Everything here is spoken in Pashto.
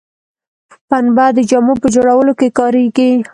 پنبه د جامو په جوړولو کې کاریږي